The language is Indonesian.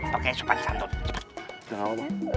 pake supansantut cepet